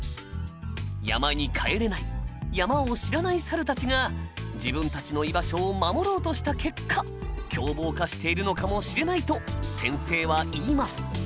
山に帰れない山を知らないサルたちが自分たちの居場所を守ろうとした結果凶暴化しているのかもしれないと先生は言います。